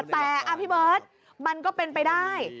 แต่พี่เบิร์ตมันก็เป็นไปได้